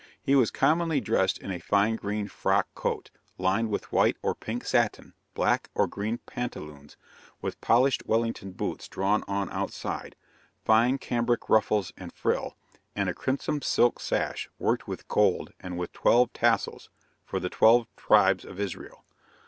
He was commonly dressed in a fine green frock coat, lined with white or pink satin, black or green pantaloons, with polished Wellington boots drawn on outside, fine cambric ruffles and frill, and a crimson silk sash worked with gold and with twelve tassels, for the twelve tribes of Israel.